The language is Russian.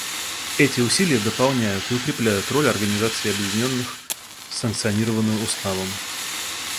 Эти усилия дополняют и укрепляют роль Организации Объединенных, санкционированную Уставом.